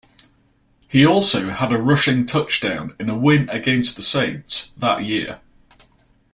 He also had a rushing touchdown in a win against the Saints that year.